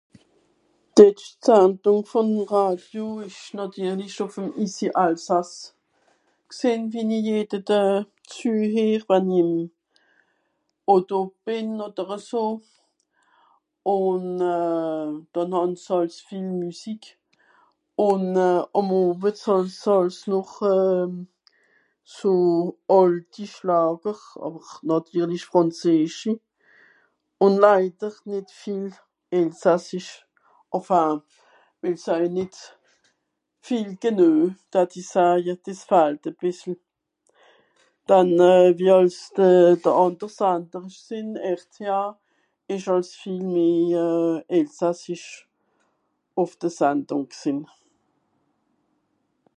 D'letscht Sandùng vùn Radio ìsch nàtirlich ùf'm ICI Alsace gsìnn, wie-n-i jede Doe züheer wann i ìm... Auto bìn odder eso. Ùn euh... dànn hàn se àls viel Müsik. Ùn euh... àm Owets hàn se àls noch euh... so àlti (...), àwwer nàtirlisch frànzeeschi, ùn leider nìt viel elsassisch. Enfin (...) nìt viel genüe datt i saje, dìs fahlt e bìssel, dann euh..., wie àls de... de ànder Sander (...) RTA... ìsch àls viel meh euh... elsassisch ùf de Sandùng gsìnn.